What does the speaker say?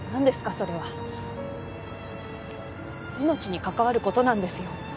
それは命に関わることなんですよ